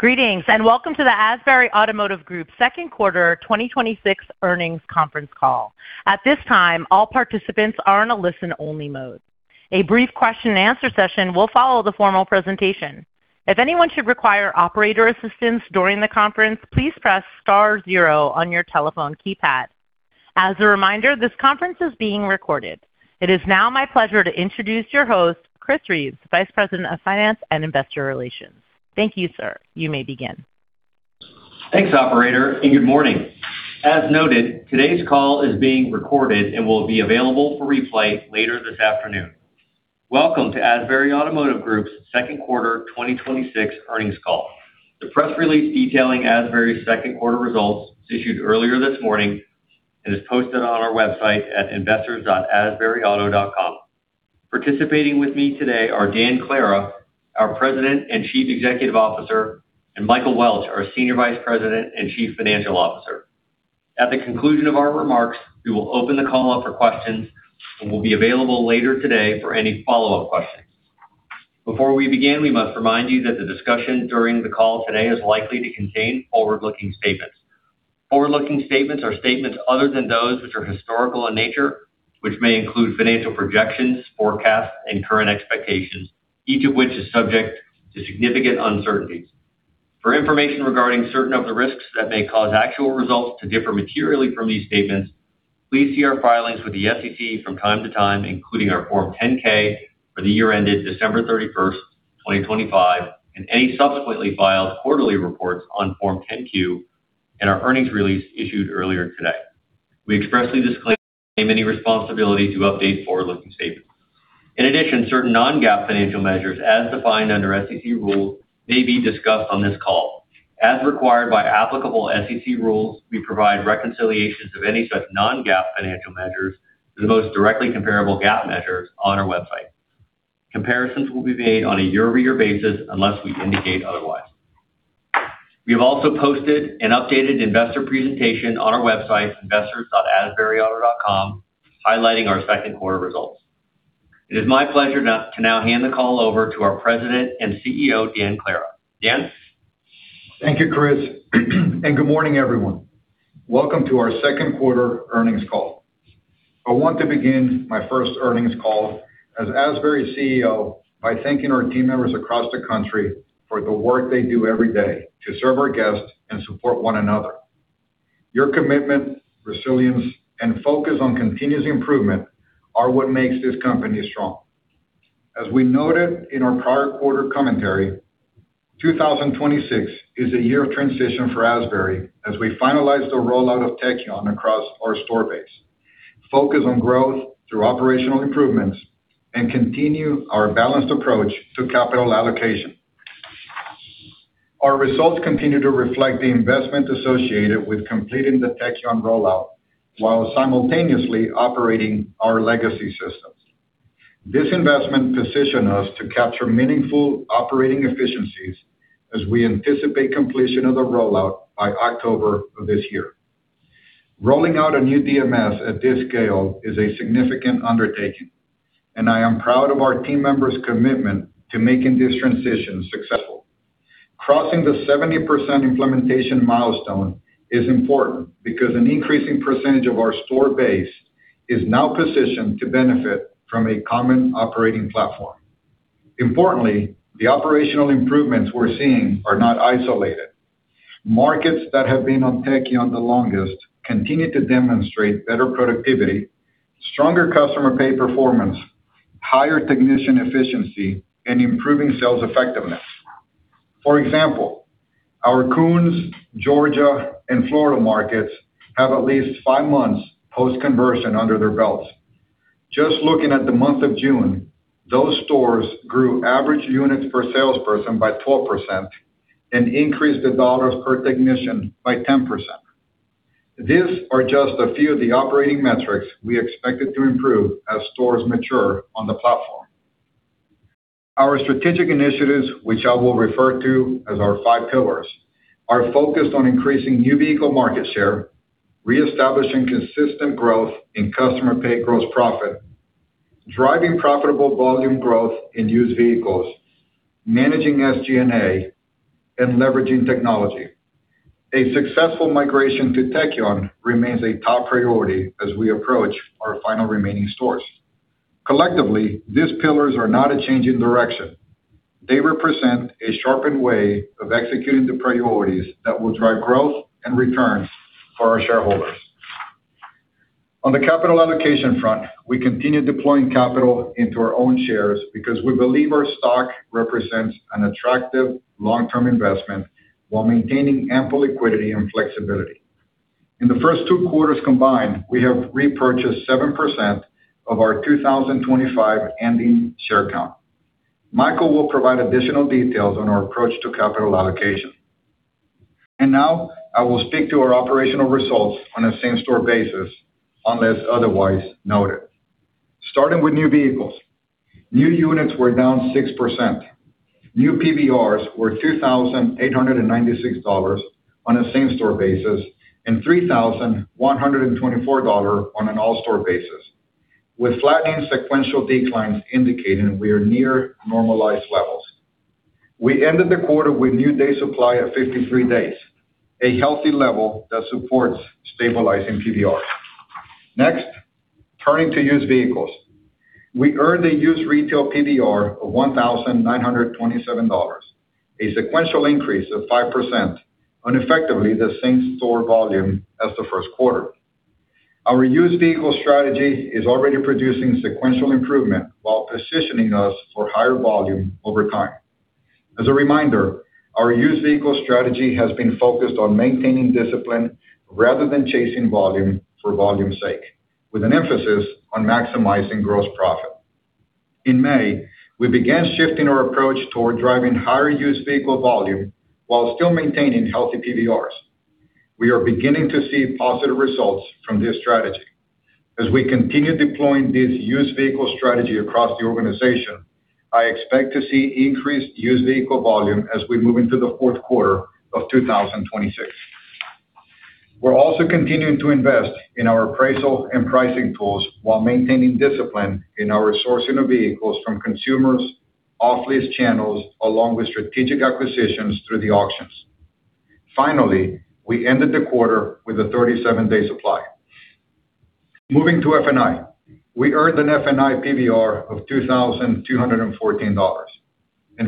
Greetings, and welcome to the Asbury Automotive Group Second Quarter 2026 Earnings Conference Call. At this time, all participants are in a listen-only mode. A brief question-and-answer session will follow the formal presentation. If anyone should require operator assistance during the conference, please press star zero on your telephone keypad. As a reminder, this conference is being recorded. It is now my pleasure to introduce your host, Chris Reeves, vice president of finance and investor relations. Thank you, sir. You may begin. Thanks, operator, good morning. As noted, today's call is being recorded and will be available for replay later this afternoon. Welcome to Asbury Automotive Group's second quarter 2026 earnings call. The press release detailing Asbury's second quarter results was issued earlier this morning and is posted on our website at investors.asburyauto.com. Participating with me today are Dan Clara, our president and chief executive officer, and Michael Welch, our senior vice president and chief financial officer. At the conclusion of our remarks, we will open the call up for questions and will be available later today for any follow-up questions. Before we begin, we must remind you that the discussion during the call today is likely to contain forward-looking statements. Forward-looking statements are statements other than those which are historical in nature, which may include financial projections, forecasts, and current expectations, each of which is subject to significant uncertainties. For information regarding certain of the risks that may cause actual results to differ materially from these statements, please see our filings with the SEC from time to time, including our Form 10-K for the year ended December 31st, 2025, and any subsequently filed quarterly reports on Form 10-Q, and our earnings release issued earlier today. We expressly disclaim any responsibility to update forward-looking statements. In addition, certain non-GAAP financial measures, as defined under SEC rules, may be discussed on this call. As required by applicable SEC rules, we provide reconciliations of any such non-GAAP financial measures to the most directly comparable GAAP measures on our website. Comparisons will be made on a year-over-year basis unless we indicate otherwise. We have also posted an updated investor presentation on our website, investors.asburyauto.com, highlighting our second quarter results. It is my pleasure to now hand the call over to our president and CEO, Dan Clara. Dan? Thank you, Chris, and good morning, everyone. Welcome to our second quarter earnings call. I want to begin my first earnings call as Asbury CEO by thanking our team members across the country for the work they do every day to serve our guests and support one another. Your commitment, resilience, and focus on continuous improvement are what makes this company strong. As we noted in our prior quarter commentary, 2026 is a year of transition for Asbury as we finalize the rollout of Tekion across our store base, focus on growth through operational improvements, and continue our balanced approach to capital allocation. Our results continue to reflect the investment associated with completing the Tekion rollout while simultaneously operating our legacy systems. This investment positions us to capture meaningful operating efficiencies as we anticipate completion of the rollout by October of this year. Rolling out a new DMS at this scale is a significant undertaking. I am proud of our team members' commitment to making this transition successful. Crossing the 70% implementation milestone is important because an increasing percentage of our store base is now positioned to benefit from a common operating platform. Importantly, the operational improvements we're seeing are not isolated. Markets that have been on Tekion the longest continue to demonstrate better productivity, stronger customer pay performance, higher technician efficiency, and improving sales effectiveness. For example, our Koons, Georgia, and Florida markets have at least five months post-conversion under their belts. Just looking at the month of June, those stores grew average units per salesperson by 12% and increased the dollars per technician by 10%. These are just a few of the operating metrics we expected to improve as stores mature on the platform. Our strategic initiatives, which I will refer to as our five pillars, are focused on increasing new vehicle market share, reestablishing consistent growth in customer pay gross profit, driving profitable volume growth in used vehicles, managing SG&A, and leveraging technology. A successful migration to Tekion remains a top priority as we approach our final remaining stores. Collectively, these pillars are not a change in direction. They represent a sharpened way of executing the priorities that will drive growth and returns for our shareholders. On the capital allocation front, we continue deploying capital into our own shares because we believe our stock represents an attractive long-term investment while maintaining ample liquidity and flexibility. In the first two quarters combined, we have repurchased 7% of our 2025 ending share count. Michael will provide additional details on our approach to capital allocation. Now, I will speak to our operational results on a same-store basis, unless otherwise noted. Starting with new vehicles. New units were down 6%. New PBRs were $2,896 on a same-store basis and $3,124 on an all-store basis. With flattening sequential declines indicating we are near normalized levels. We ended the quarter with a new day supply of 53 days, a healthy level that supports stabilizing PBR. Next, turning to used vehicles. We earned a used retail PBR of $1,927, a sequential increase of 5%, and effectively the same store volume as the first quarter. Our used vehicle strategy is already producing sequential improvement while positioning us for higher volume over time. As a reminder, our used vehicle strategy has been focused on maintaining discipline rather than chasing volume for volume's sake, with an emphasis on maximizing gross profit. In May, we began shifting our approach toward driving higher used vehicle volume while still maintaining healthy PBRs. We are beginning to see positive results from this strategy. As we continue deploying this used vehicle strategy across the organization, I expect to see increased used vehicle volume as we move into the fourth quarter of 2026. We're also continuing to invest in our appraisal and pricing tools while maintaining discipline in our sourcing of vehicles from consumers and off-lease channels, along with strategic acquisitions through the auctions. Finally, we ended the quarter with a 37-day supply. Moving to F&I. We earned an F&I PBR of $2,214.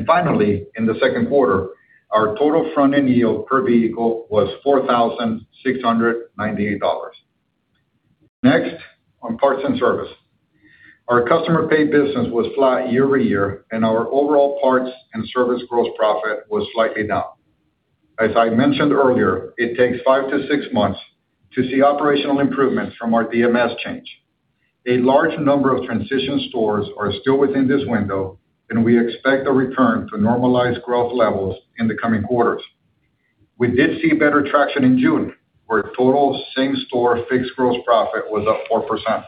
Finally, in the second quarter, our total front-end yield per vehicle was $4,698. Next, on parts and service. Our customer-pay business was flat year-over-year, and our overall parts and service gross profit was slightly down. As I mentioned earlier, it takes five to six months to see operational improvements from our DMS change. A large number of transition stores are still within this window, and we expect a return to normalized growth levels in the coming quarters. We did see better traction in June, where total same-store fixed gross profit was up 4%.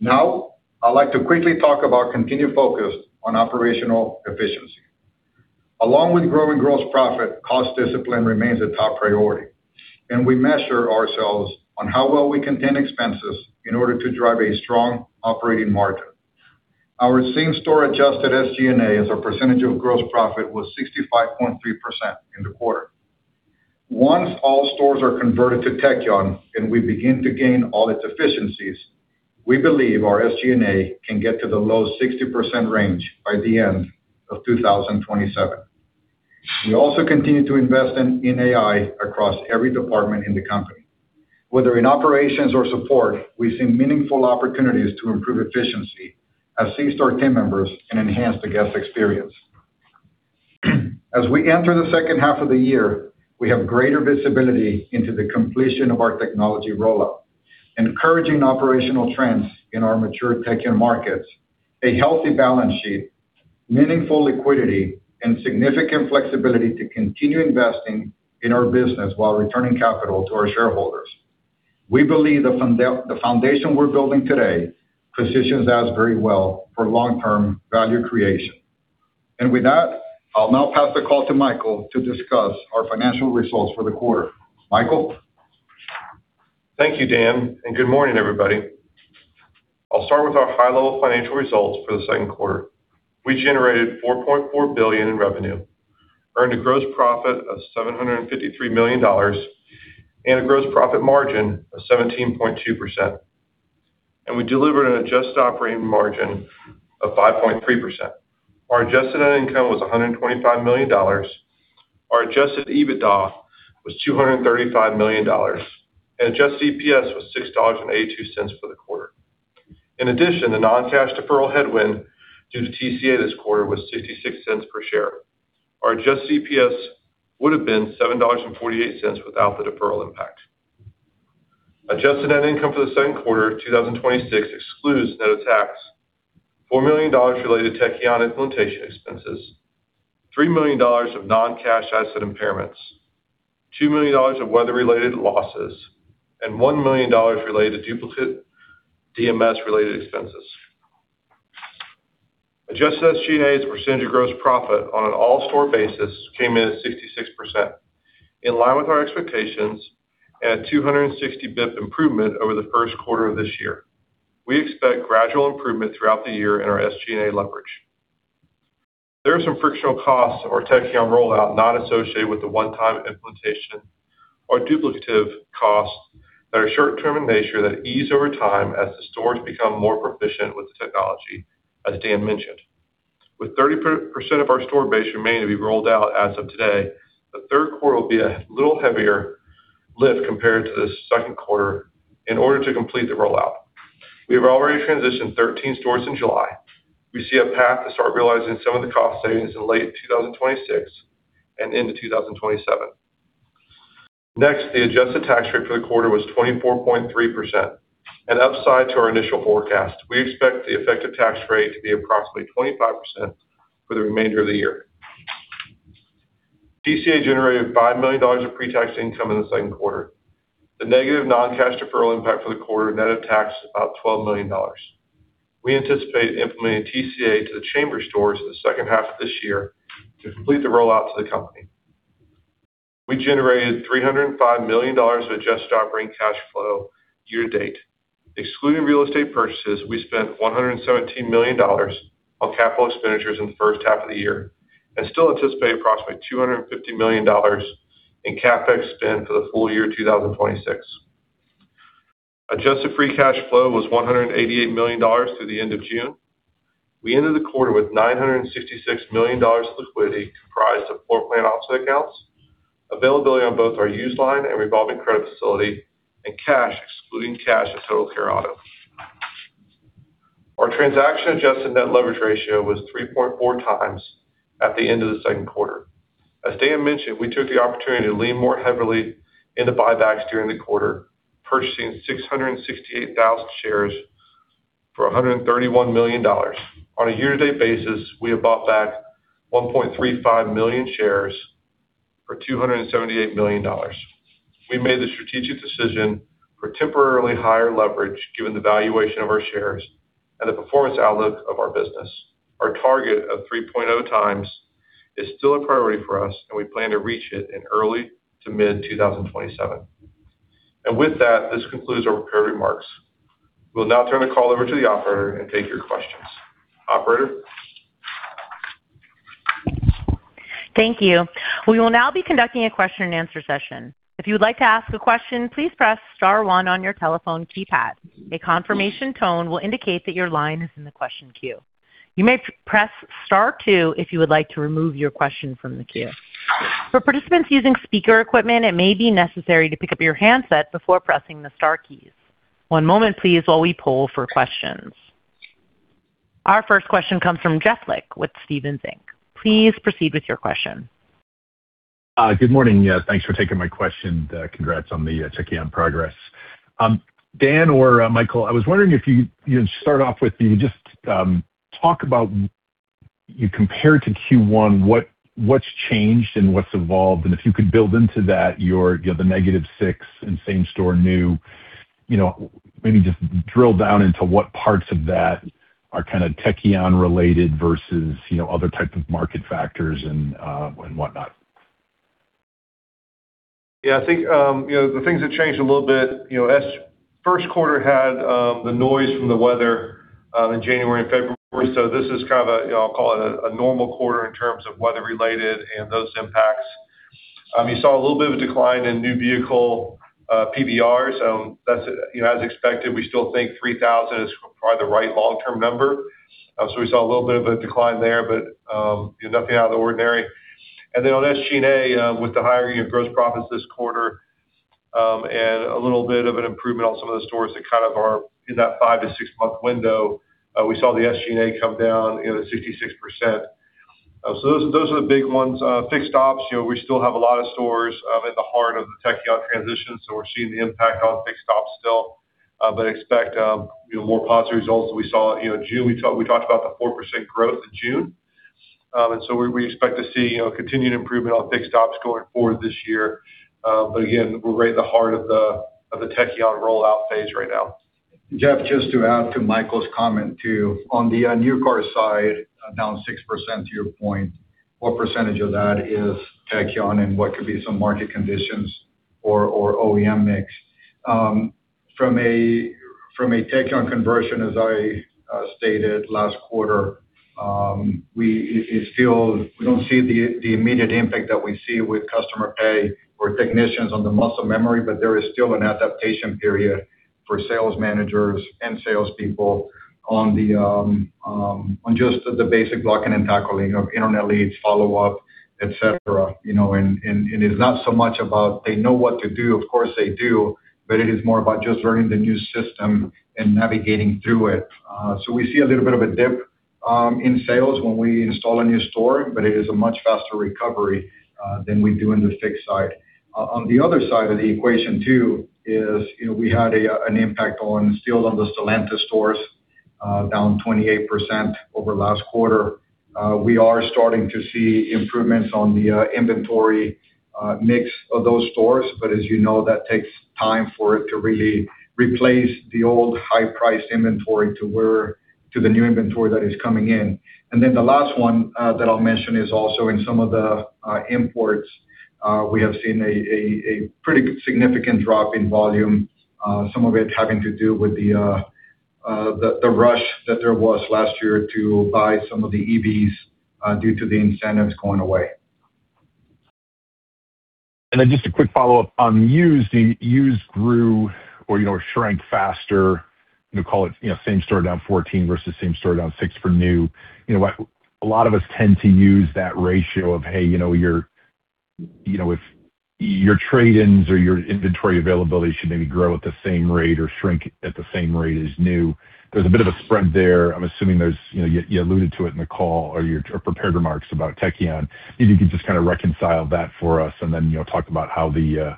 Now, I'd like to quickly talk about continued focus on operational efficiency. Along with growing gross profit, cost discipline remains a top priority, and we measure ourselves on how well we contain expenses in order to drive a strong operating margin. Our same-store adjusted SG&A as a percentage of gross profit was 65.3% in the quarter. Once all stores are converted to Tekion and we begin to gain all its efficiencies, we believe our SG&A can get to the low 60% range by the end of 2027. We also continue to invest in AI across every department in the company. Whether in operations or support, we see meaningful opportunities to improve efficiency as our store team members and enhance the guest experience. As we enter the second half of the year, we have greater visibility into the completion of our technology rollout, encouraging operational trends in our mature Tekion markets, a healthy balance sheet, meaningful liquidity, and significant flexibility to continue investing in our business while returning capital to our shareholders. With that, I'll now pass the call to Michael to discuss our financial results for the quarter. Michael? Thank you, Dan, and good morning, everybody. I'll start with our high-level financial results for the second quarter. We generated $4.4 billion in revenue, earned a gross profit of $753 million and a gross profit margin of 17.2%, and we delivered an adjusted operating margin of 5.3%. Our adjusted net income was $125 million. Our adjusted EBITDA was $235 million, and adjusted EPS was $6.82 for the quarter. In addition, the non-cash deferral headwind due to TCA this quarter was $0.66 per share. Our adjusted EPS would have been $7.48 without the deferral impact. Adjusted net income for the second quarter of 2026 excludes net tax, $4 million related to Tekion implementation expenses, $3 million of non-cash asset impairments, $2 million of weather-related losses, and $1 million related to duplicate DMS-related expenses. Adjusted SG&A as a percentage of gross profit on an all-store basis came in at 66%, in line with our expectations and a 260 basis point improvement over the first quarter of this year. We expect gradual improvement throughout the year in our SG&A leverage. There are some frictional costs of our Tekion rollout not associated with the one-time implementation or duplicative costs that are short-term in nature that ease over time as the stores become more proficient with the technology, as Dan mentioned. With 30% of our store base remaining to be rolled out as of today, the third quarter will be a little heavier lift compared to the second quarter in order to complete the rollout. We have already transitioned 13 stores in July. We see a path to start realizing some of the cost savings in late 2026 and into 2027. The adjusted tax rate for the quarter was 24.3%, an upside to our initial forecast. We expect the effective tax rate to be approximately 25% for the remainder of the year. TCA generated $5 million of pre-tax income in the second quarter. The negative non-cash deferral impact for the quarter net of tax, about $12 million. We anticipate implementing TCA to the Chambers stores in the second half of this year to complete the rollout to the company. We generated $305 million of adjusted operating cash flow year-to-date. Excluding real estate purchases, we spent $117 million on capital expenditures in the first half of the year and still anticipate approximately $250 million in CapEx spend for the full year 2026. Adjusted free cash flow was $188 million through the end of June. We ended the quarter with $966 million of liquidity comprised of floor plan offset accounts, availability on both our use line and revolving credit facility; and cash, excluding cash at TotalCare Auto. Our transaction-adjusted net leverage ratio was 3.4x at the end of the second quarter. As Dan mentioned, we took the opportunity to lean more heavily into buybacks during the quarter, purchasing 668,000 shares for $131 million. On a year-to-date basis, we have bought back 1.35 million shares for $278 million. We made the strategic decision for temporarily higher leverage given the valuation of our shares and the performance outlook of our business. Our target of 3.0x is still a priority for us, and we plan to reach it in early- to mid-2027. With that, this concludes our prepared remarks. We'll now turn the call over to the operator and take your questions. Operator? Thank you. We will now be conducting a question-and-answer session. If you would like to ask a question, please press star one on your telephone keypad. A confirmation tone will indicate that your line is in the question queue. You may press star two if you would like to remove your question from the queue. For participants using speaker equipment, it may be necessary to pick up your handset before pressing the star keys. One moment, please, while we poll for questions. Our first question comes from Jeff Lick with Stephens Inc. Please proceed with your question. Good morning. Thanks for taking my question. Congrats on the Tekion progress. Dan or Michael, I was wondering if you'd start off with, Can you just talk about, compared to Q1, what's changed and what's evolved? If you could build into that the negative 6% in same-store new. Maybe just drill down into what parts of that are kind of Tekion-related versus other types of market factors and whatnot. I think the things that changed a little bit: the first quarter had the noise from the weather in January and February; this is kind of a, I'll call it a normal quarter in terms of weather-related and those impacts. You saw a little bit of a decline in new vehicle PBR. As expected, we still think $3,000 is probably the right long-term number. We saw a little bit of a decline there, but nothing out of the ordinary. Then on SG&A, with the higher gross profits this quarter and a little bit of an improvement on some of the stores that kind of are in that five- to six-month window, we saw the SG&A come down to 66%. Those are the big ones. Fixed ops, we still have a lot of stores at the heart of the Tekion transition, so we're seeing the impact on fixed ops still. Expect more positive results than we saw in June. We talked about the 4% growth in June. We expect to see continued improvement on fixed ops going forward this year. Again, we're right at the heart of the Tekion rollout phase right now. Jeff, just to add to Michael's comment too. On the new car side, down 6%—to your point, what percentage of that is Tekion, and what could be some market conditions or OEM mix? From a Tekion conversion, as I stated last quarter, we don't see the immediate impact that we see with customer pay or technicians on the muscle memory, but there is still an adaptation period for sales managers and salespeople on just the basic blocking and tackling of internet leads, follow-up, etc. It is not so much about them knowing what to do. Of course, they do. It is more about just learning the new system and navigating through it. We see a little bit of a dip in sales when we install a new store, but it is a much faster recovery than we do on the fixed side. On the other side of the equation, too, we had an impact on the Stellantis stores, down 28% over last quarter. We are starting to see improvements on the inventory mix of those stores. As you know, it takes time for it to really replace the old high-priced inventory to the new inventory that is coming in. The last one that I'll mention is also in some of the imports. We have seen a pretty significant drop in volume. Some of it having to do with the rush that there was last year to buy some of the EVs due to the incentives going away. Just a quick follow-up on used. The used grew or shrank faster. Call it the same store down 14 versus the same store down six for new. A lot of us tend to use that ratio of, hey, if your trade-ins or your inventory availability should maybe grow at the same rate or shrink at the same rate as new ones. There's a bit of a spread there. I'm assuming you alluded to it in the call or your prepared remarks about Tekion. If you could just kind of reconcile that for us and then talk about how the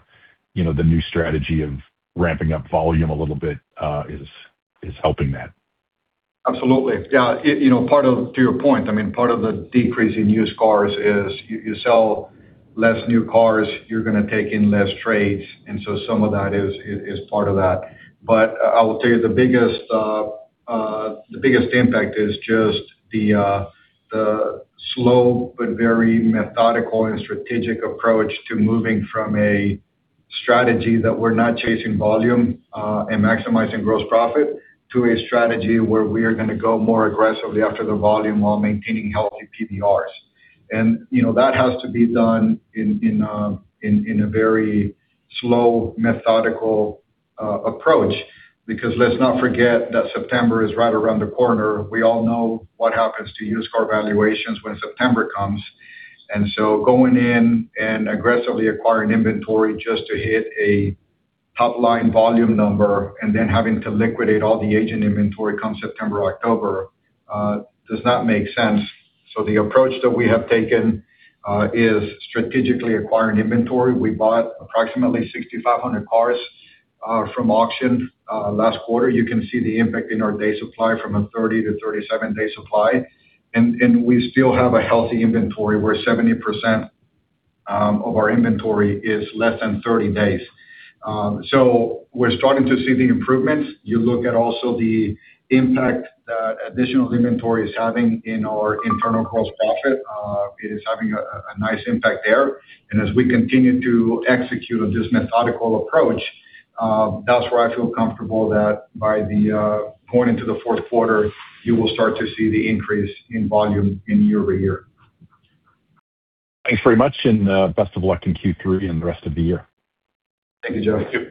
new strategy of ramping up volume a little bit is helping that. Absolutely. To your point, part of the decrease in used cars is you sell less new cars, you're going to take in fewer trades, and so some of that is part of that. I will tell you the biggest impact is just the slow but very methodical and strategic approach to moving from a strategy that we're not chasing volume and maximizing gross profit to a strategy where we are going to go more aggressively after the volume while maintaining healthy PBRs. That has to be done in a very slow, methodical approach, because let's not forget that September is right around the corner. We all know what happens to used car valuations when September comes. Going in and aggressively acquiring inventory just to hit a top-line volume number and then having to liquidate all the aged inventory come September, October, does not make sense. The approach that we have taken is strategically acquiring inventory. We bought approximately 6,500 cars from auction last quarter. You can see the impact in our day supply from a 30- to 37-day supply. We still have a healthy inventory, where 70% of our inventory is less than 30 days. We're starting to see the improvements. You look at also the impact that additional inventory is having on our internal gross profit. It is having a nice impact there. As we continue to execute on this methodical approach, that's where I feel comfortable that by going into the fourth quarter, you will start to see the increase in volume year-over-year. Thanks very much, and best of luck in Q3 and the rest of the year. Thank you, Jeff. Thank you.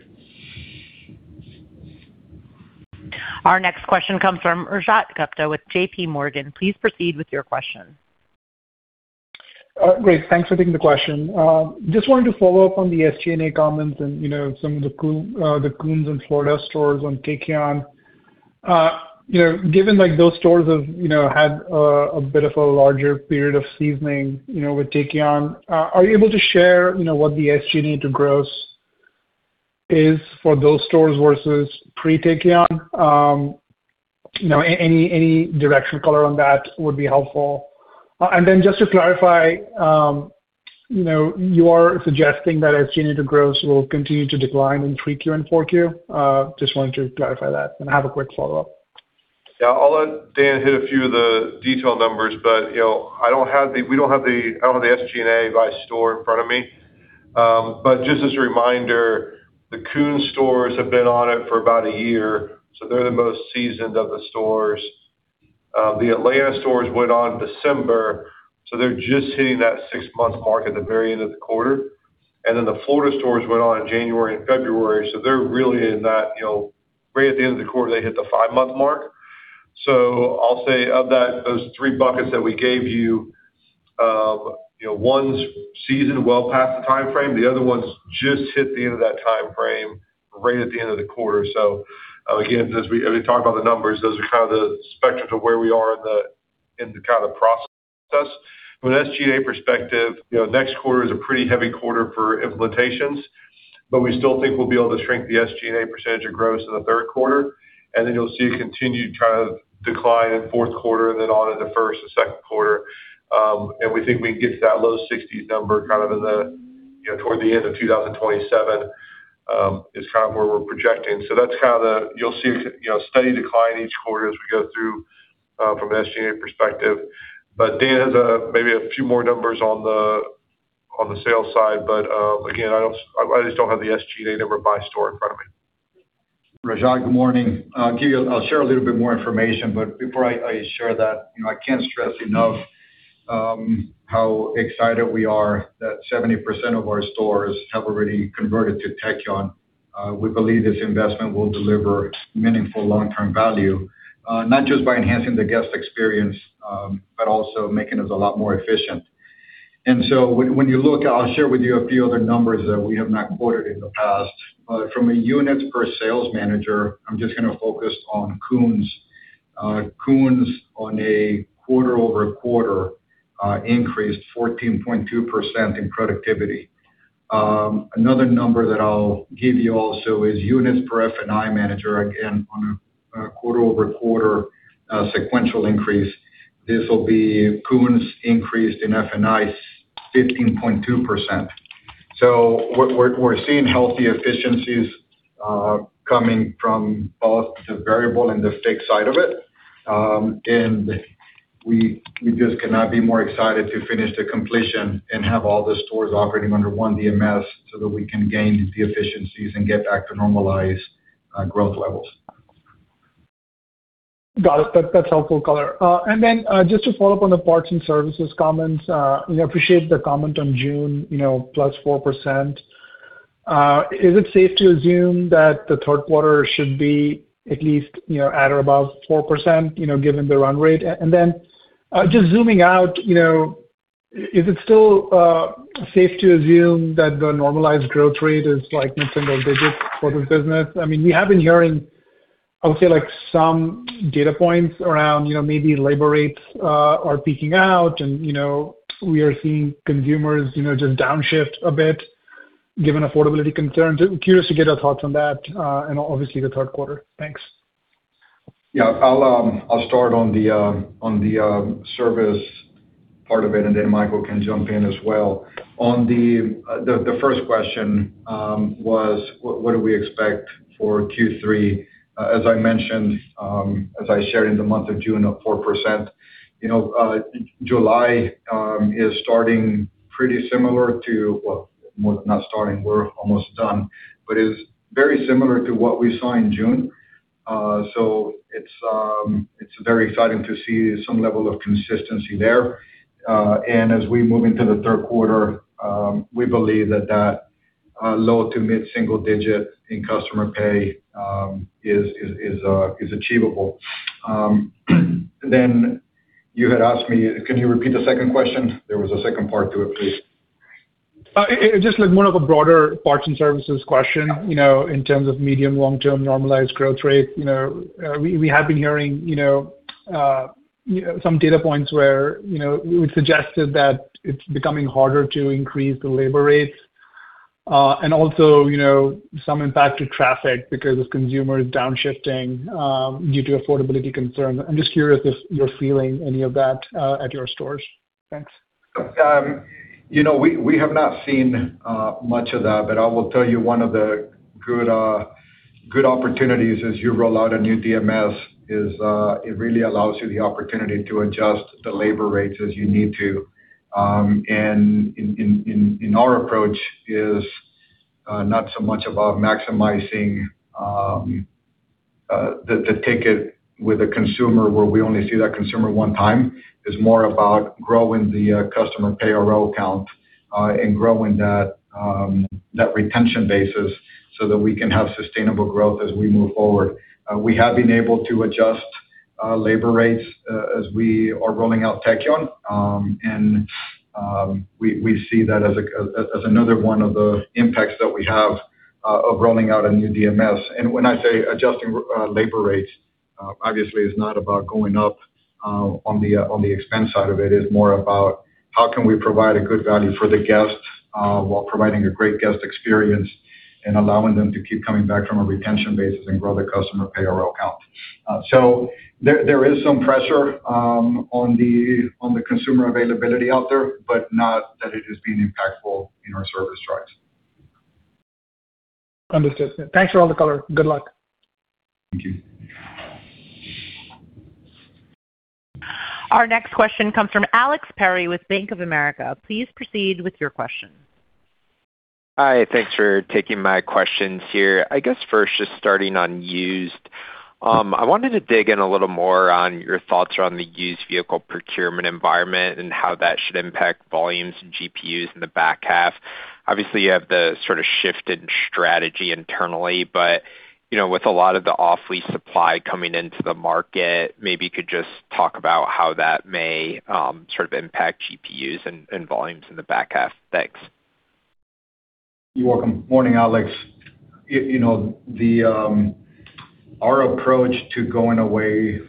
Our next question comes from Rajat Gupta with J.P. Morgan. Please proceed with your question. Great. Thanks for taking the question. Just wanted to follow up on the SG&A comments and some of the Koons and Florida stores on Tekion. Given those stores have had a bit of a larger period of seasoning with Tekion, are you able to share what the SG&A to gross is for those stores versus pre-Tekion? Any directional color on that would be helpful. Just to clarify, you are suggesting that SG&A to gross will continue to decline in 3Q and 4Q? Just wanted to clarify that and have a quick follow-up. Yeah, I'll let Dan hit a few of the detailed numbers, but I don't have the SG&A by store in front of me. Just as a reminder, the Koons stores have been on it for about a year, so they're the most seasoned of the stores. The Atlanta stores went in December, so they're just hitting that six-month mark at the very end of the quarter. The Florida stores went on in January and February, so they're really in that; right at the end of the quarter, they hit the five-month mark. I'll say of those three buckets that we gave you, one's seasoned well past the timeframe. The other one's just hit the end of that timeframe right at the end of the quarter. Again, as we talk about the numbers, those are kind of the spectrum of where we are in the kind of process. From an SG&A perspective, next quarter is a pretty heavy quarter for implementations, but we still think we'll be able to shrink the SG&A percentage of gross in the third quarter. You'll see it continue to kind of decline in fourth quarter and then on in the first and second quarters. We think we can get to that low 60s number kind of toward the end of 2027, which is kind of where we're projecting. You'll see a steady decline each quarter as we go through from an SG&A perspective. Dan has maybe a few more numbers on the sales side, but again, I just don't have the SG&A number by store in front of me. Rajat, good morning. I'll share a little bit more information, but before I share that, I can't stress enough how excited we are that 70% of our stores have already converted to Tekion. We believe this investment will deliver meaningful long-term value, not just by enhancing the guest experience but also by making us a lot more efficient. When you look, I'll share with you a few other numbers that we have not quoted in the past. From a units-per-sales manager, I'm just going to focus on Koons. Koons on a quarter-over-quarter basis increased 14.2% in productivity. Another number that I'll give you also is units per F&I manager, again, on a quarter-over-quarter sequential increase. This will be Koons' increase in F&Is, 15.2%. We're seeing healthy efficiencies coming from both the variable and the fixed side of it. We just cannot be more excited to finish the completion and have all the stores operating under one DMS so that we can gain the efficiencies and get back to normalized growth levels. Got it. That's helpful color. Just to follow up on the parts and services comments, we appreciate the comment on June, +4%. Is it safe to assume that the third quarter should be at least at or above 4%, given the run rate? Just zooming out, is it still safe to assume that the normalized growth rate is like mid-single digits for this business? We have been hearing, I would say, some data points around maybe labor rates are peaking out, and we are seeing consumers just downshift a bit given affordability concerns. I'm curious to get your thoughts on that and obviously the third quarter. Thanks. Yeah. I'll start on the service part of it; Michael can jump in as well. The first question was, What do we expect for Q3? As I mentioned, as I shared in the month of June, +4%. July is starting pretty similarly to—well, not starting; we're almost done, but it is very similar to what we saw in June. It's very exciting to see some level of consistency there. As we move into the third quarter, we believe that low- to mid-single-digit customer pay is achievable. You had asked me, Can you repeat the second question? There was a second part to it, please. Just more of a broader parts and services question in terms of medium- and long-term normalized growth rate. We have been hearing some data points where we suggested that it's becoming harder to increase the labor rates. Also, there is some impact to traffic because of consumers downshifting due to affordability concerns. I'm just curious if you're feeling any of that at your stores. Thanks. We have not seen much of that, but I will tell you one of the good opportunities as you roll out a new DMS is it really allows you the opportunity to adjust the labor rates as you need to. Our approach is not so much about maximizing the ticket with a consumer where we only see that consumer one time. It's more about growing the customer pay account and growing that retention basis so that we can have sustainable growth as we move forward. We have been able to adjust labor rates as we are rolling out Tekion, and we see that as another one of the impacts that we have of rolling out a new DMS. When I say adjusting labor rates, obviously it's not about going up on the expense side of it. It's more about how we can provide a good value for the guests while providing a great guest experience and allowing them to keep coming back on a retention basis and grow their customer pay account. There is some pressure on the consumer availability out there, but it is not being impactful in our service drives. Understood, sir. Thanks for all the color. Good luck. Thank you. Our next question comes from Alex Perry with Bank of America. Please proceed with your question. Hi, thanks for taking my questions here. I guess first, just starting on used. I wanted to dig in a little more on your thoughts around the used vehicle procurement environment and how that should impact volumes and GPUs in the back half. Obviously, you have the sort of shift in strategy internally, with a lot of the off-lease supply coming into the market, maybe you could just talk about how that may sort of impact GPUs and volumes in the back half. Thanks. You're welcome. Morning, Alex. Our approach to going away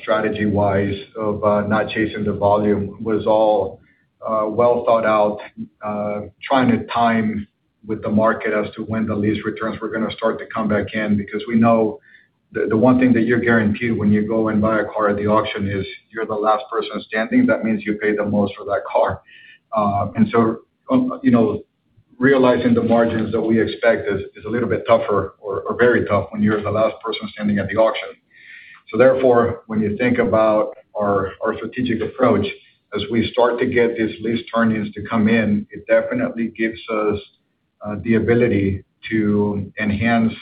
strategy-wise, of not chasing the volume, was all well thought out, trying to time it with the market as to when the lease returns were going to start to come back in because we know the one thing that you're guaranteed when you go and buy a car at the auction is you're the last person standing. That means you paid the most for that car. Realizing the margins that we expect is a little bit tougher, or very tough, when you're the last person standing at the auction. When you think about our strategic approach, as we start to get these lease turn-ins to come in, it definitely gives us the ability to enhance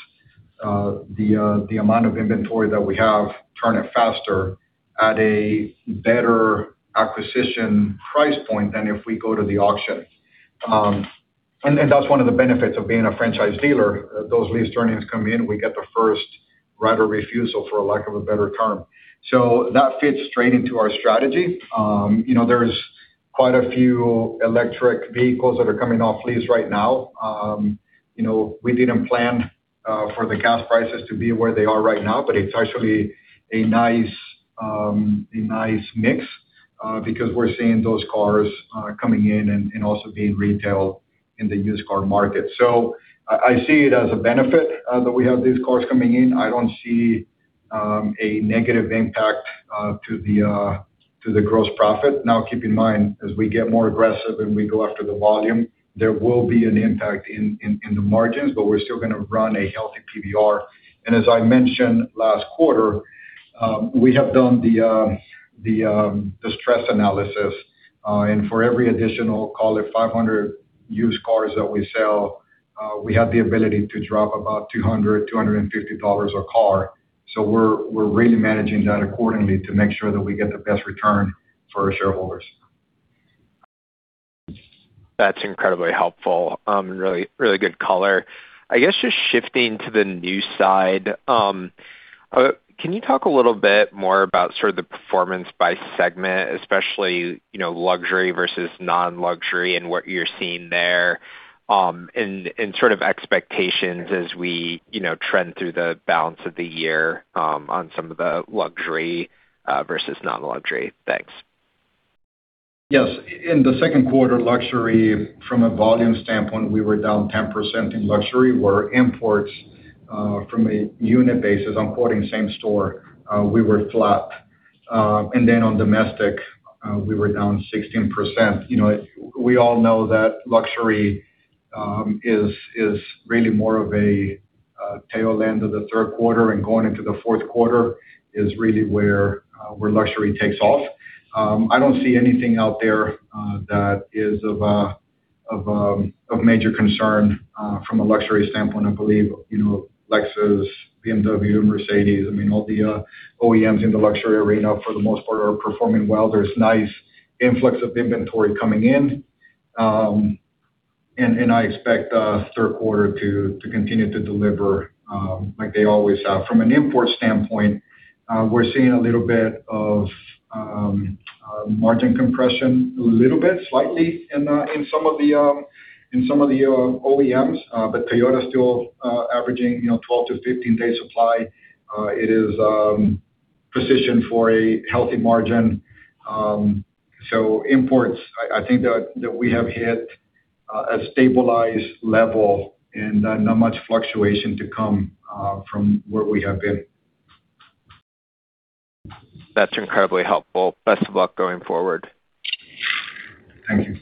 the amount of inventory that we have and turn it faster at a better acquisition price point than if we went to the auction. That's one of the benefits of being a franchise dealer. When those lease turn-ins come in, we get the first right of refusal, for a lack of a better term. That fits straight into our strategy. There are quite a few electric vehicles that are coming off lease right now. We didn't plan for the gas prices to be where they are right now; it's actually a nice mix because we're seeing those cars coming in and also being retailed in the used car market. I see it as a benefit that we have these cars coming in. I don't see a negative impact to the gross profit. Now, keep in mind, as we get more aggressive and we go after the volume, there will be an impact on the margins; we're still going to run a healthy PBR. As I mentioned last quarter, we have done the stress analysis, and for every additional, call it 500 used cars that we sell, we have the ability to drop about $200, $250 a car. We're really managing that accordingly to make sure that we get the best return for our shareholders. That's incredibly helpful. Really good color. I guess just shifting to the new side. Can you talk a little bit more about sort of the performance by segment, especially luxury versus non-luxury, and what you're seeing there and sort of expectations as we trend through the balance of the year on some of the luxury versus non-luxury? Thanks. Yes. In the second quarter, luxury from a volume standpoint, we were down 10% in luxury where imports From a unit basis, I'm quoting the same store; we were flat. Then domestically, we were down 16%. We all know that luxury is really more of a tail end of the third quarter, and going into the fourth quarter is really where luxury takes off. I don't see anything out there that is of major concern from a luxury standpoint. I believe Lexus, BMW, and Mercedes, all the OEMs in the luxury arena for the most part, are performing well. There's nice influx of inventory coming in. I expect the third quarter to continue to deliver like it always has. From an import standpoint, we're seeing a little bit of margin compression, a little bit, slightly in some of the OEMs, but Toyota's still averaging 12 to 15 days' supply. It is positioned for a healthy margin. Imports: I think that we have hit a stabilized level, and not much fluctuation is to come from where we have been. That's incredibly helpful. Best of luck going forward. Thank you.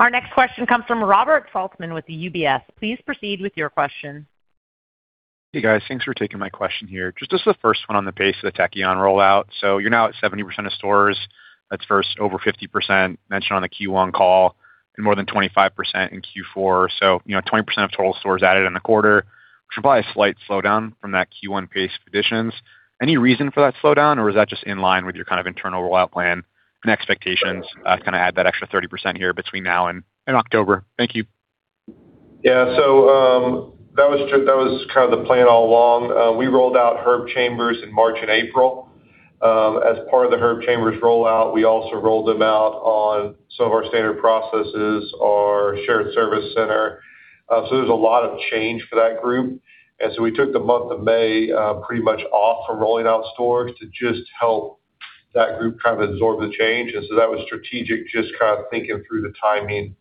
Our next question comes from Robert Saltzman with the UBS. Please proceed with your question. Hey, guys. Thanks for taking my question here. Just as the first one on the pace of the Tekion rollout. You're now at 70% of stores. That's versus over 50% mentioned on the Q1 call and more than 25% in Q4. 20% of total stores were added in the quarter, which is probably a slight slowdown from that Q1 pace of additions. Any reason for that slowdown, or is that just in line with your kind of internal rollout plan and expectations to kind of add that extra 30% here between now and October? Thank you. Yeah. That was kind of the plan all along. We rolled out Herb Chambers in March and April. As part of the Herb Chambers rollout, we also rolled them out on some of our standard processes and our shared service center. There's a lot of change for that group. We took the month of May pretty much off from rolling out stores to just help that group kind of absorb the change. That was strategic, just kind of thinking through the timing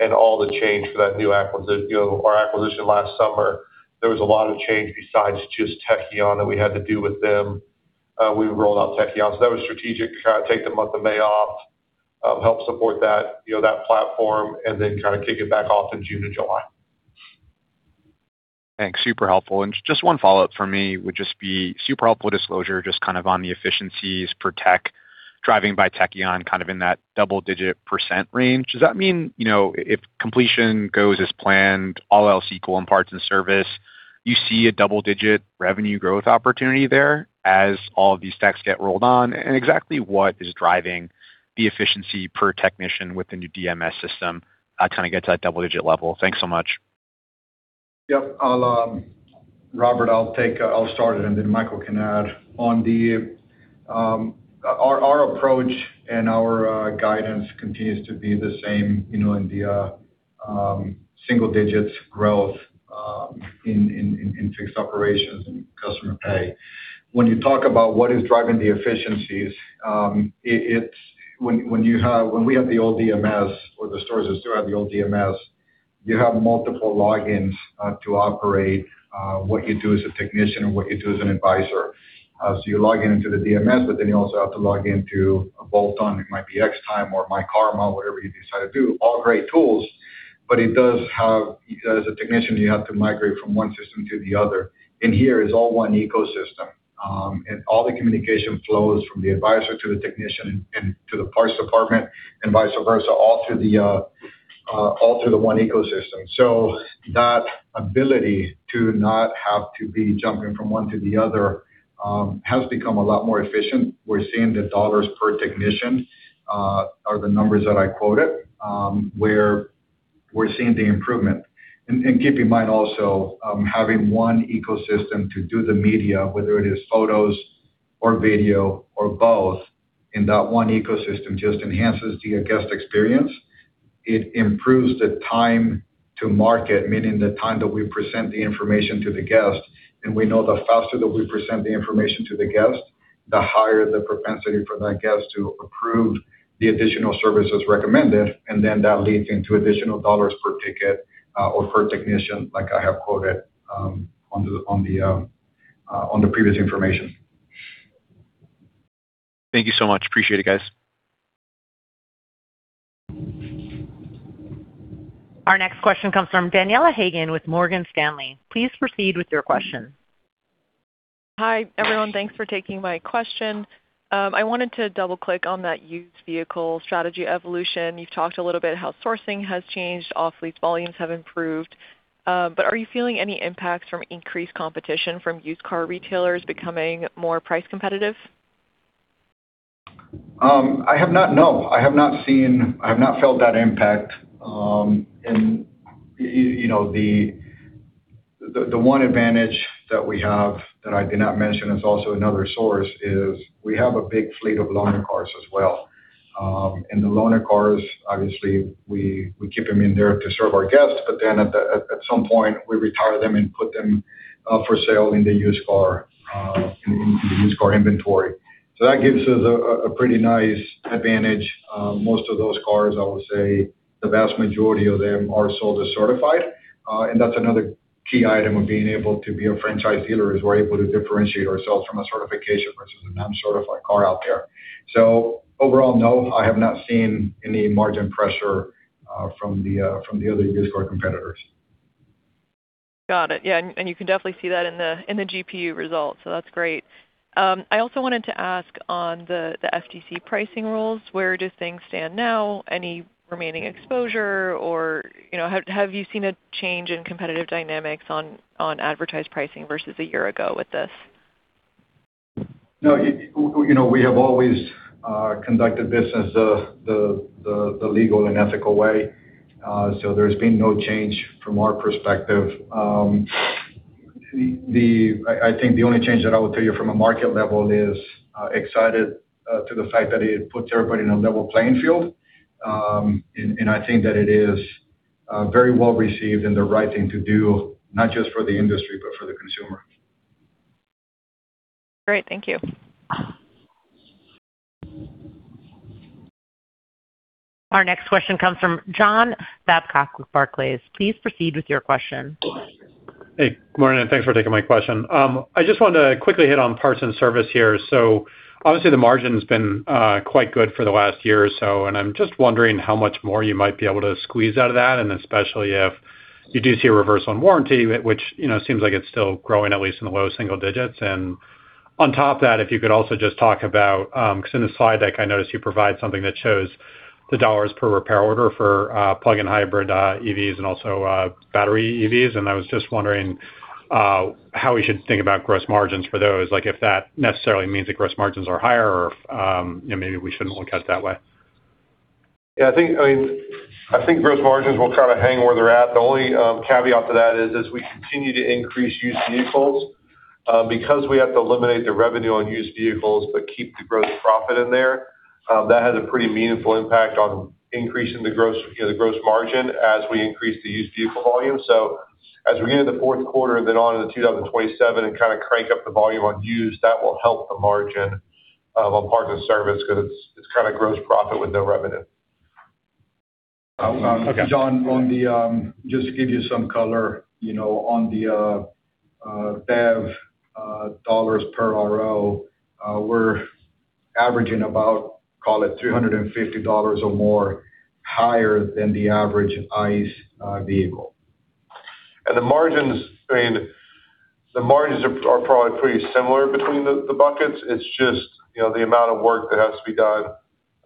and all the changes for our acquisition last summer. There was a lot of change besides just Tekion that we had to do with them. We rolled out Tekion. That was strategic, kind of taking the month of May off, helping support that platform, and then kind of kicking it back off in June and July. Thanks. Super helpful. Just one follow-up from me would just be super helpful disclosure just on the efficiencies per tech driven by Tekion, kind of in that double-digit percent range. Does that mean if completion goes as planned, all else equal in parts and service, you see a double-digit revenue growth opportunity there as all of these techs get rolled on? Exactly what is driving the efficiency per technician with the new DMS system to kind of get to that double-digit level? Thanks so much. Yep. Robert, I'll start it, and then Michael can add on. Our approach and our guidance continue to be the same, with single-digit growth in fixed operations and customer pay. When you talk about what is driving the efficiencies, when we have the old DMS or the stores that still have the old DMS, you have multiple logins to operate what you do as a technician and what you do as an advisor. You log into the DMS, but then you also have to log into a bolt-on. It might be Xtime or myKaarma, whatever you decide to do. All great tools, but as a technician, you have to migrate from one system to the other. In here, it's all one ecosystem. All the communication flows from the advisor to the technician and to the parts department and vice versa, all through the one ecosystem. That ability to not have to be jumping from one to the other has become a lot more efficient. We're seeing the dollars per technician as the numbers that I quoted, where we're seeing the improvement. Keep in mind also, having one ecosystem to do the media, whether it is photos or video or both, in that one ecosystem just enhances the guest experience. It improves the time to market, meaning the time that we present the information to the guest. We know the faster that we present the information to the guest, the higher the propensity for that guest to approve the additional services recommended. That leads into additional dollars per ticket or per technician, as I have quoted in the previous information. Thank you so much. Appreciate it, guys. Our next question comes from Daniela Haigian with Morgan Stanley. Please proceed with your question. Hi, everyone. Thanks for taking my question. I wanted to double-click on that used vehicle strategy evolution. You've talked a little bit about how sourcing has changed. Off-lease volumes have improved. Are you feeling any impacts from increased competition from used car retailers becoming more price-competitive? No. I have not felt that impact. The one advantage that we have that I did not mention is also another source: we have a big fleet of loaner cars as well. The loaner cars, obviously, we keep them in there to serve our guests; at some point, we retire them and put them up for sale in the used car inventory. That gives us a pretty nice advantage. Most of those cars, I would say the vast majority of them, are sold as certified. That's another key item of being able to be a franchise dealer: we're able to differentiate ourselves from a certified car versus a non-certified car out there. Overall, no, I have not seen any margin pressure from the other used car competitors. Got it. Yeah, and you can definitely see that in the GPU results. That's great. I also wanted to ask about the FTC pricing rules, where do things stand now? Any remaining exposure, or have you seen a change in competitive dynamics on advertised pricing versus a year ago with this? No, we have always conducted business the legal and ethical way. There's been no change from our perspective. I think the only change that I would tell you from a market level is excited to the fact that it puts everybody on a level playing field. I think that it is very well-received and the right thing to do, not just for the industry but for the consumer. Great. Thank you. Our next question comes from John Babcock with Barclays. Please proceed with your question. Hey, good morning. Thanks for taking my question. I just wanted to quickly hit on parts and service here. Obviously the margin's been quite good for the last year or so; I'm just wondering how much more you might be able to squeeze out of that, especially if you do see a reversal on warranty, which seems like it's still growing, at least in the low single digits. On top of that, if you could also just talk about it, because in the slide deck, I noticed you provide something that shows the dollars per repair order for plug-in hybrid EVs and also battery EVs. I was just wondering how we should think about gross margins for those, like if that necessarily means that gross margins are higher or if maybe we shouldn't look at it that way. I think gross margins will kind of hang where they're at. The only caveat to that is as we continue to increase used vehicles, because we have to eliminate the revenue on used vehicles but keep the gross profit in there, that has a pretty meaningful impact on increasing the gross margin as we increase the used vehicle volume. As we get into the fourth quarter and then on into 2027 and kind of crank up the volume on used, that will help the margin of parts and service because it's kind of gross profit with no revenue. Okay. John, just to give you some color, on the BEV dollars per RO, we're averaging about, call it, $350 or more higher than the average ICE vehicle. The margins are probably pretty similar between the buckets. It's just the amount of work that has to be done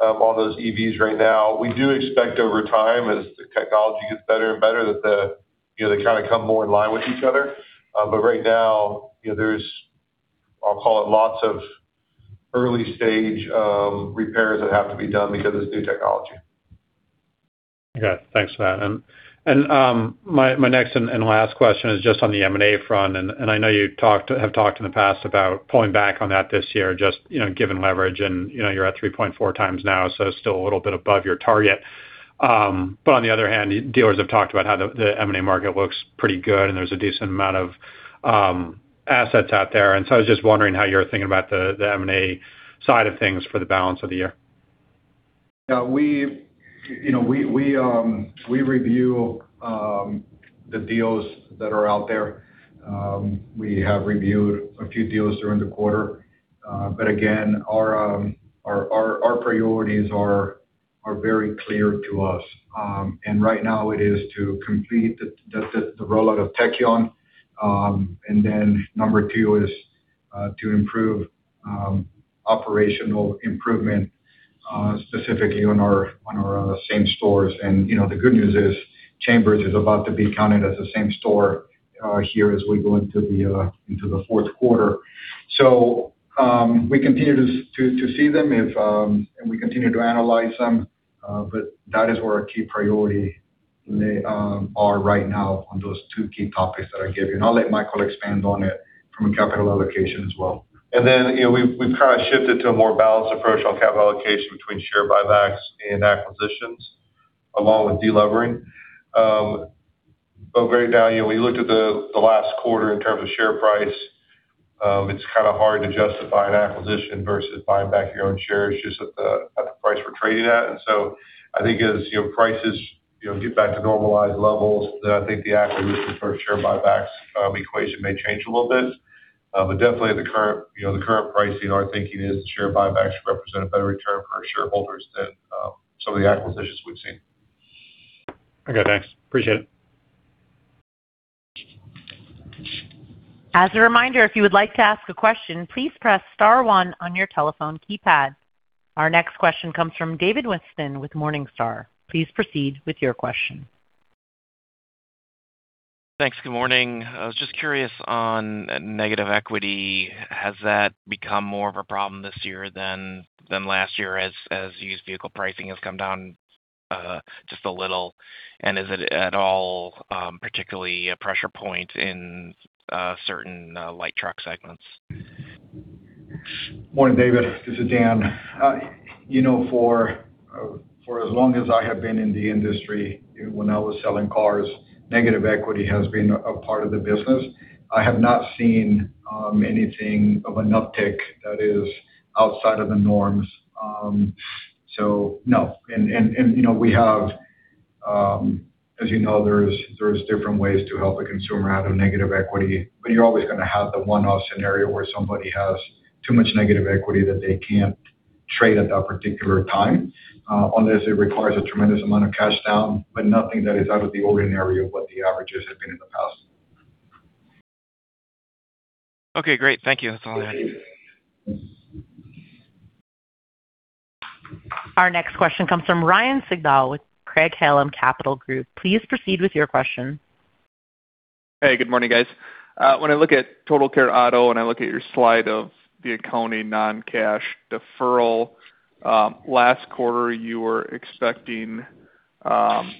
on those EVs right now. We do expect over time, as the technology gets better and better, that they kind of come more in line with each other. Right now, there are, I'll call them, lots of early-stage repairs that have to be done because it's new technology. Okay. Thanks for that. My next and last question is just on the M&A front, and I know you have talked in the past about pulling back on that this year, just given leverage, and you're at 3.4x now, still a little bit above your target. On the other hand, dealers have talked about how the M&A market looks pretty good and there are a decent amount of assets out there. I was just wondering how you're thinking about the M&A side of things for the balance of the year. Yeah. We review the deals that are out there. We have reviewed a few deals during the quarter. Again, our priorities are very clear to us. Right now it is to complete just the rollout of Tekion, and then number two is to improve operational improvement, specifically in our same stores. The good news is Chambers is about to be counted as a same store here as we go into the fourth quarter. We continue to see them, and we continue to analyze them; those are where our key priorities are right now, on those two key topics that I gave you. I'll let Michael expand on it from a capital allocation as well. We've kind of shifted to a more balanced approach on capital allocation between share buybacks and acquisitions, along with deleveraging. Right now, we looked at the last quarter in terms of share price. It's kind of hard to justify an acquisition versus buying back your own shares just at the price we're trading at. I think as prices get back to normalized levels, I think the acquisition for the share buyback equation may change a little bit. Definitely the current pricing; our thinking is that share buybacks represent a better return for shareholders than some of the acquisitions we've seen. Okay, thanks. Appreciate it. As a reminder, if you would like to ask a question, please press star one on your telephone keypad. Our next question comes from David Whiston with Morningstar. Please proceed with your question. Thanks. Good morning. I was just curious on negative equity. Has that become more of a problem this year than last year as used vehicle pricing has come down just a little, and is it at all particularly a pressure point in certain light truck segments? Morning, David. This is Dan. For as long as I have been in the industry, when I was selling cars, negative equity has been a part of the business. I have not seen anything of an uptick that is outside of the norms. No. As you know, there are different ways to help a consumer out of negative equity, but you're always going to have the one-off scenario where somebody has so much negative equity that they can't trade at that particular time. Unless it requires a tremendous amount of cash down, but nothing that is out of the ordinary from what the averages have been in the past. Okay, great. Thank you. That's all I had. Our next question comes from Ryan Sigdahl with Craig-Hallum Capital Group. Please proceed with your question. Hey, good morning, guys. When I look at Total Care Auto, and I look at your slide of the accounting non-cash deferral, last quarter, you were expecting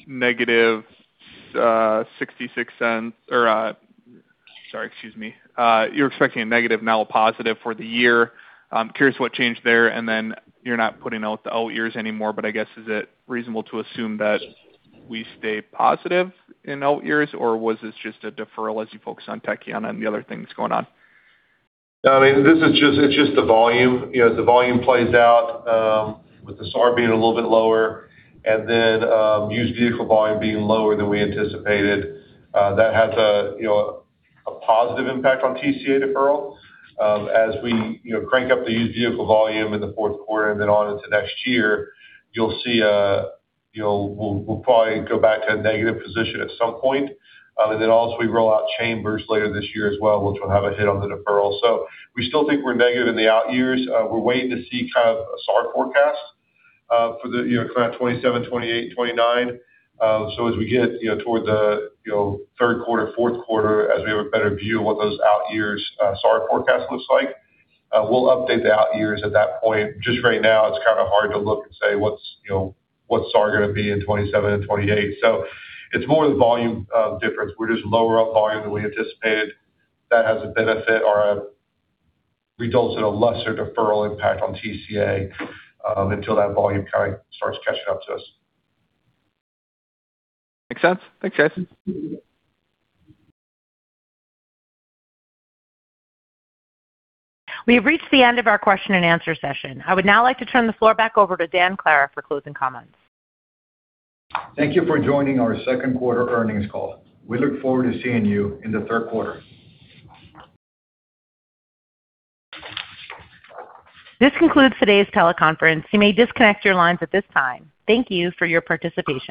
negative $0.66. Sorry, excuse me. You're expecting a negative now, not a positive for the year. I'm curious what changed there. You're not putting out the old years anymore. I guess, is it reasonable to assume that we stay positive in our years, or was this just a deferral as you focus on Tekion and the other things going on? It's just the volume. As the volume plays out with the SAR being a little bit lower and the used-vehicle volume being lower than we anticipated. That has a positive impact on TCA deferral. As we crank up the used vehicle volume in the fourth quarter and then on into next year, we'll probably go back to a negative position at some point. Also, we roll out Chambers later this year as well, which will have a hit on the deferral. We still think we're negative in the out years. We're waiting to see kind of an SAR forecast for 2027, 2028, and 2029. As we get toward the third quarter and fourth quarter, as we have a better view of what those out years' SAR forecast looks like, we'll update the out years at that point. Just right now, it's kind of hard to look and say what SAR is going to be in 2027 and 2028. It's more the volume difference. We're just lower on volume than we anticipated. That has a benefit or results in a lesser deferral impact on TCA until that volume kind of starts catching up to us. Makes sense. Thanks, guys. We have reached the end of our question-and-answer session. I would now like to turn the floor back over to Dan Clara for closing comments. Thank you for joining our second quarter earnings call. We look forward to seeing you in the third quarter. This concludes today's teleconference. You may disconnect your lines at this time. Thank you for your participation.